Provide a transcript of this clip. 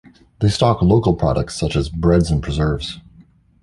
They stock local products such as breads and preserves.